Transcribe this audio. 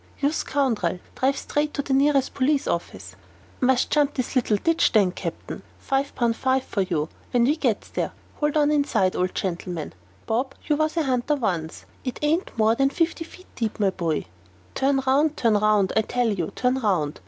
"You scoundrel, drive straight to the nearest police office." "Must jump this little ditch, then, Captain. Five pun' fine for you, when we gets there. Hold on inside, old gentleman. Kuck, kuck, Bob, you was a hunter once. It ain't more than fifty feet deep, my boy." "Turn round! turn round, I tell you! turn round!